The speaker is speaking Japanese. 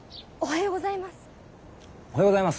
おはようございます。